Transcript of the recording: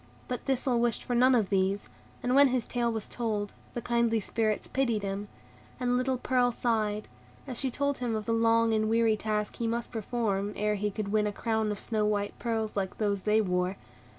But Thistle wished for none of these, and when his tale was told, the kindly Spirits pitied him; and little Pearl sighed, as she told him of the long and weary task he must perform, ere he could win a crown of snow white pearls like those they wore.